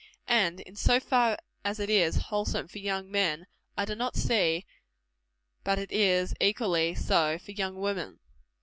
And in so far as it is wholesome for young men, I do not see but it is equally so for young women.